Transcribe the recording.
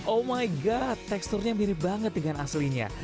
oh my god teksturnya mirip banget dengan aslinya